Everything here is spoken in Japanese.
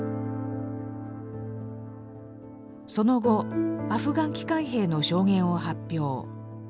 その後「アフガン帰還兵の証言」を発表。